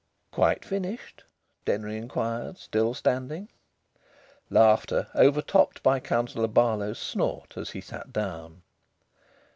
"Quite finished?" Denry inquired, still standing. Laughter, overtopped by Councillor Barlow's snort as he sat down.